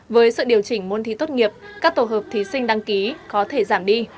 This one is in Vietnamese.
với sự điều chỉnh môn thi tốt nghiệp các tổ hợp thí sinh đăng ký có thể giảm đi